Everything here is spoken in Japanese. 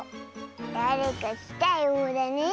だれかきたようだね。